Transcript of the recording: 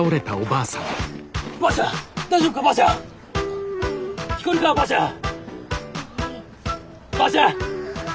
ばあちゃん！